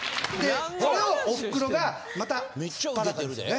それをおふくろがまた素っ裸ですよね。